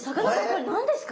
これ何ですか？